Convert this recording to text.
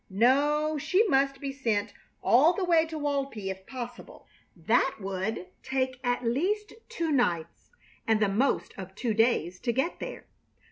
No, she must be sent all the way to Walpi if possible. That would take at least two nights and the most of two days to get there.